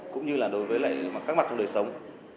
cũng như là đối với các mặt trong đời sống